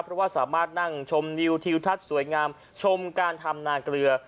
เพราะว่าสามารถนั่งชมนิวทิวทัศน์สวยงามชมการทำนาเกลือ